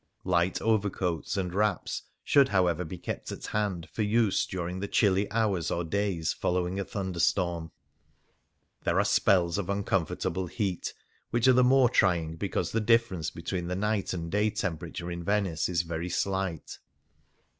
Light over coats and wraps should, however, be kept at hand for use during the chilly hours or days following a thunderstorm. There are spells of uncomfortable heat which are the more trying because the difference between the night and day temperature in Venice is very slight.